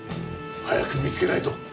早く見つけないと。